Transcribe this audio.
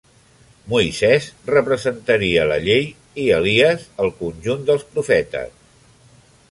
Moisès representaria la llei, i Elies, el conjunt dels profetes.